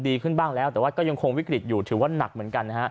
ดีขึ้นบ้างแล้วแต่ว่าก็ยังคงวิกฤตอยู่ถือว่าหนักเหมือนกันนะฮะ